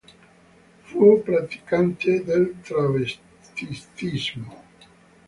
Fu praticante del travestitismo.